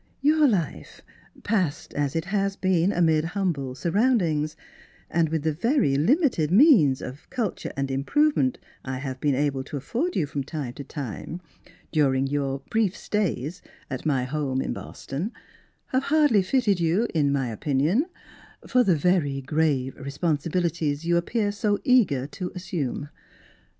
Your life, passed as it has been amid humble surroundings, and with the very limited means of culture and improvement I have been able to af ford you from time to time, during your brief stays at my home in Boston, have hardly fitted you (in my opinion) for the very grave responsibilities you appear so eager to assume.